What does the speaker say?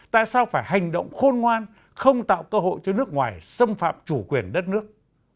tại sao phải hành động khôn ngoan không tạo cơ hội cho nước ngoài xâm phạm chủ quyền đất nước